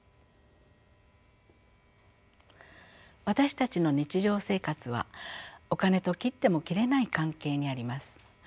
私たちの日常生活はお金と切っても切れない関係にあります。